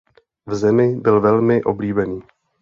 V zemi byl velmi oblíbený.